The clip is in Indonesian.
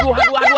aduh aduh aduh